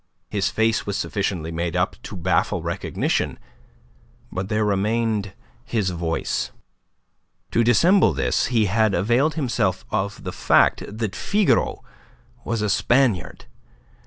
His face was sufficiently made up to baffle recognition; but there remained his voice. To dissemble this he had availed himself of the fact that Figaro was a Spaniard.